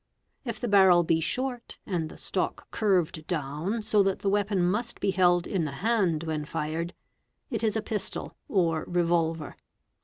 Ifthe barrel be short and the stock curved down so that the weapon must be held in the hand when fired, it is a pistol or revolver.